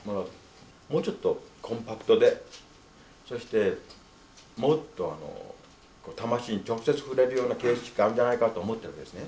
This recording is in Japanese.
もうちょっとコンパクトでそしてもっと魂に直接触れるような形式があるんじゃないかと思ってるんですね。